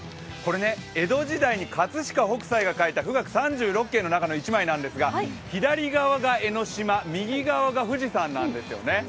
江戸時代に葛飾北斎が描いた「富嶽三十六景」の一枚なんですが、左側が江の島、右側が富士山なんですね。